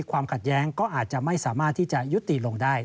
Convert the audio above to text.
ความขัดแย้งก็อาจจะไม่สามารถที่จะยุติลงได้